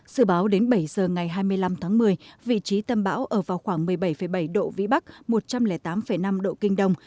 sự báo đến bảy giờ ngày hai mươi năm tháng một mươi vị trí tâm bão ở vào khoảng một mươi bảy bảy độ vĩ bắc một trăm linh tám năm độ kinh đông